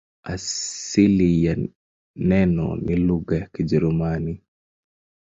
Asili ya neno ni lugha ya Kijerumani.